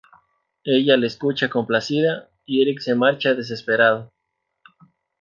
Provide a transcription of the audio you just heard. Ella le escucha complacida, y Erik se marcha desesperado.